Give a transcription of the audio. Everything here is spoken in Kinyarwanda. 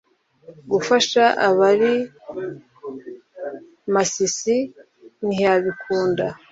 gufasha abari Masisi ntiyabikunda,